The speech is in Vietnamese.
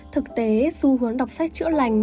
thực tế xu hướng đọc sách chữa lành